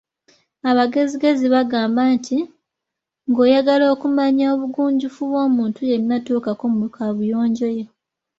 Abagezigezi bagamba nti, ng‘oyagala okumanya obugunjufu bw‘omuntu yenna tuukako mu kabuyonjo ye.